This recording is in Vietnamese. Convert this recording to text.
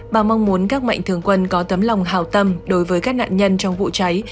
bà mong muốn các mạnh thường quân có tấm lòng hào tâm đối với các nạn nhân trong vụ cháy